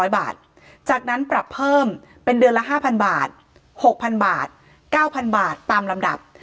จากนั้นปรับเพิ่มเป็นเดือนละ๕๐๐บาท๖๐๐บาท๙๐๐บาทตามลำดับ